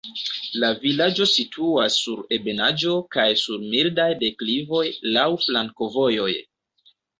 La vilaĝo situas sur ebenaĵo kaj sur mildaj deklivoj laŭ flankovojoj.